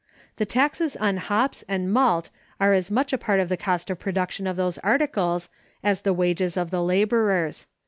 The taxes on hops and malt are as much a part of the cost of production of those articles as the wages of the laborers.